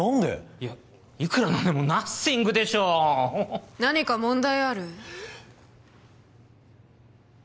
いやいくら何でもナッシングでしょう何か問題ある？